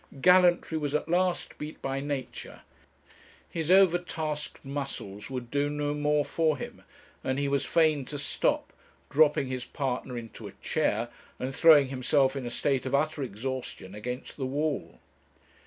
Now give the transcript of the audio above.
Gallantry was at last beat by nature, his overtasked muscles would do no more for him, and he was fain to stop, dropping his partner into a chair, and throwing himself in a state of utter exhaustion against the wall.